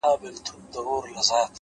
خپل اصول مه پلورئ’